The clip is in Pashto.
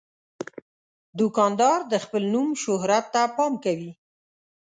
دوکاندار د خپل نوم شهرت ته پام کوي.